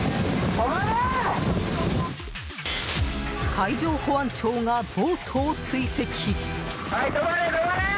海上保安庁がボートを追跡！